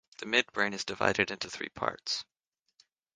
The midbrain is divided into three parts.